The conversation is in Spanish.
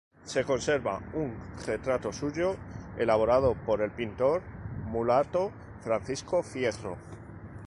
Se conserva un retrato suyo elaborado por el pintor mulato Francisco Fierro.